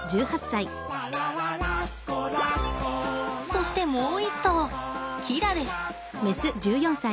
そしてもう一頭キラです。